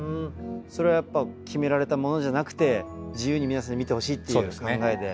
それはやっぱ決められたものじゃなくて自由に皆さんに見てほしいっていう考えで？